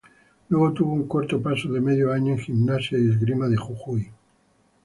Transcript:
Luego tuvo un corto paso de medio año en Gimnasia y Esgrima de Jujuy.